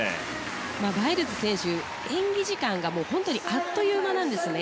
バイルズ選手、演技時間が本当にあっという間なんですね。